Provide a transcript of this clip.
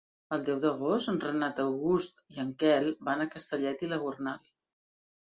El deu d'agost en Renat August i en Quel van a Castellet i la Gornal.